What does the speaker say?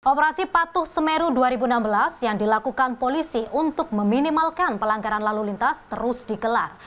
operasi patuh semeru dua ribu enam belas yang dilakukan polisi untuk meminimalkan pelanggaran lalu lintas terus dikelar